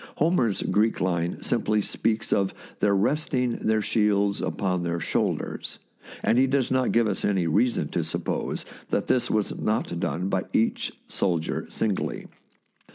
Homer's Greek line simply speaks of their resting their shields upon their shoulders, and he does not give us any reason to suppose that this was not done by each soldier singly.